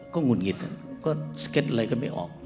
ก็หุดหงิดก็สเก็ตอะไรก็ไม่ออก